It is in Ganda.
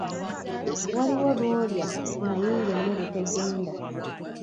Waliwo lw’olya naye ng’emmere tegenda.